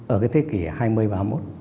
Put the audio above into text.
ở thế kỷ hai mươi và hai mươi một